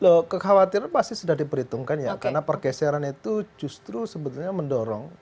loh kekhawatiran pasti sudah diperhitungkan ya karena pergeseran itu justru sebetulnya mendorong